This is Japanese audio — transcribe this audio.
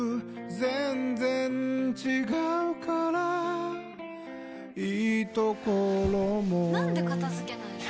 全然違うからいいところもなんで片付けないの？